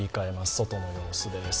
外の様子です。